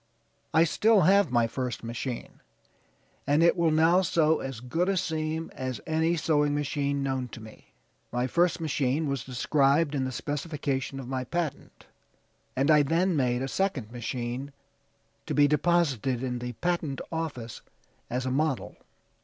I still have my first machine; and it will now sew as good a seam as any sewing machine known to me. My first machine was described in the specification of my patent, and I then made a second machine, to be deposited in the patent office as a model."